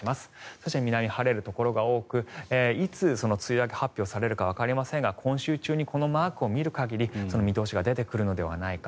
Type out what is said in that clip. そして南、晴れるところが多くいつ梅雨明け発表されるかわかりませんが今週中にこのマークを見る限り見通しが出てくるのではないか。